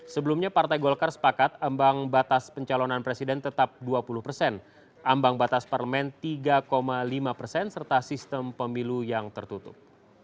sebelumnya partai golkar sepakat ambang batas pencalonan presiden tetap dua puluh persen ambang batas parlemen tiga lima persen serta sistem pemilu yang tertutup